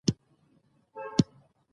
باسواده ښځې د حقایقو په لټه کې وي.